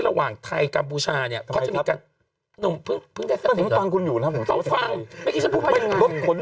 ระหว่างไทยกัมพูชาเนี่ยนี่คือเรื่องภูมิไปแล้ววันนี้จะพูด